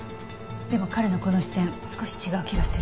でも彼のこの視線少し違う気がする。